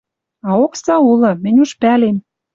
А окса улы, мӹнь уж пӓлем